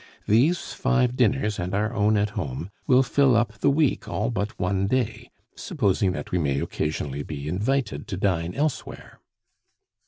These five dinners and our own at home will fill up the week all but one day, supposing that we may occasionally be invited to dine elsewhere."